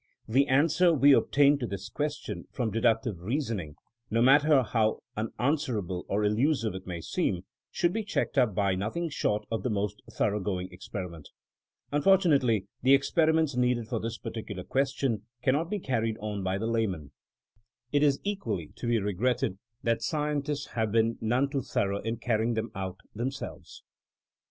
The an swer we obtain to this question from deductive reasoning, no matter how unanswerable or con 60 THIMKmO AS A 80IEN0E elusive it may seem, shoiild be checked up by nothing short of the most thoroughgoing ex periment Unfortmiately the experiments needed for this particular question cannot be carried on by the layman« It is equally to be regretted that scientists have been none too thorough in carry ing them out themselves.